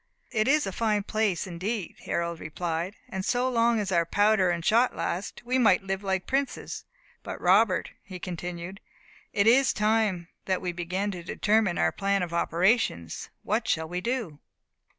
"It is a fine place indeed," Harold replied; "and so long as our powder and shot last, we might live like princes. But, Robert," he continued, "it is time that we begin to determine our plan of operations. What shall we do?"